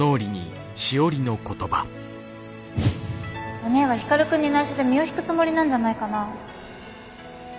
おねぇは光くんに内緒で身を引くつもりなんじゃないかな。